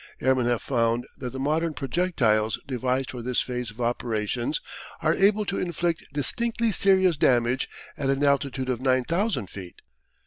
Airmen have found that the modern projectiles devised for this phase of operations are able to inflict distinctly serious damage at an altitude of 9,000 feet.